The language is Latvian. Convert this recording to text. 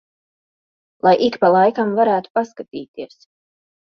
Lai ik pa laikam varētu paskatīties.